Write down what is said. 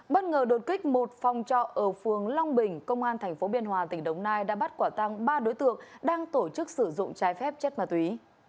bất ngờ đột kích một phòng trọ ở phường long bình công an tp biên hòa tỉnh đồng nai đã bắt quả tăng ba đối tượng đang tổ chức sử dụng trái phép chất ma túy